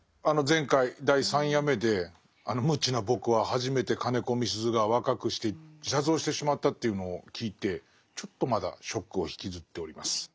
前回第３夜目で無知な僕は初めて金子みすゞが若くして自殺をしてしまったというのを聞いてちょっとまだショックを引きずっております。